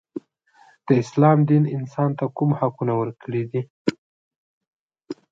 د اسلام دین انسان ته کوم حقونه ورکړي دي.